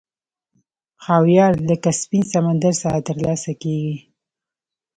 خاویار له کسپین سمندر څخه ترلاسه کیږي.